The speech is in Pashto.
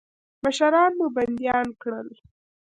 مشران مو بندیان کړل.